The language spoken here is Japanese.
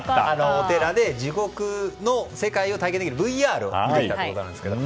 お寺で地獄の世界を体験できるＶＲを体験してきたんですけど。